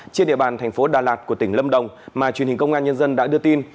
trên địa bàn thành phố đà lạt của tỉnh lâm đồng mà truyền hình công an nhân dân đã đưa tin